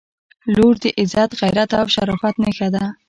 • لور د عزت، غیرت او شرافت نښه ده.